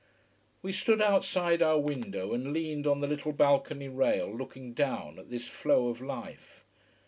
We stood outside our window, and leaned on the little balcony rail looking down at this flow of life.